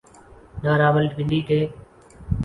نہ راولپنڈی کے۔